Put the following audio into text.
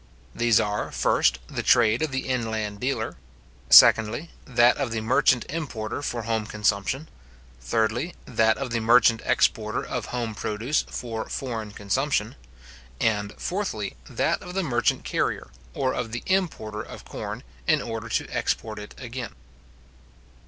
These are, first, the trade of the inland dealer; secondly, that of the merchant importer for home consumption; thirdly, that of the merchant exporter of home produce for foreign consumption; and, fourthly, that of the merchant carrier, or of the importer of corn, in order to export it again.